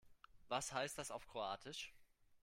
Was heißt das auf Kroatisch?